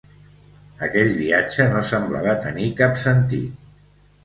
Aquell viatge no semblava tenir cap sentit.